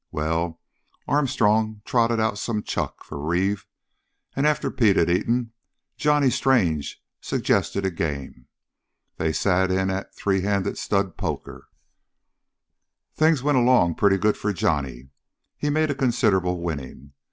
Well, Armstrong trotted out some chuck for Reeve, and after Pete had eaten, Johnny Strange suggested a game. They sat in at three handed stud poker. "Things went along pretty good for Johnny. He made a considerable winning.